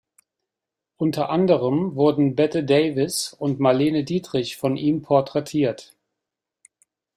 Unter anderen wurden Bette Davis und Marlene Dietrich von ihm porträtiert.